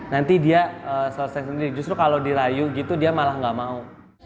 nanti dia selesai sendiri justru kalau dirayu gitu dia malah nggak mau